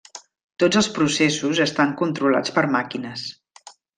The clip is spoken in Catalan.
Tots els processos estan controlats per màquines.